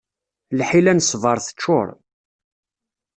Lḥila n ṣṣbeṛ teččuṛ.